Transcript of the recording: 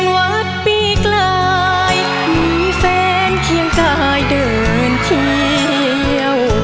วัดปีกลายมีแฟนเคียงกายเดินเที่ยว